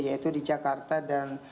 yaitu di jakarta dan jawa tenggara